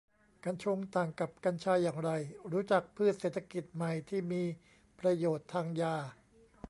กัญชง ต่างกับกัญชาอย่างไร รู้จักพืชเศรษฐกิจใหม่ที่มีประโยชน์ทางยา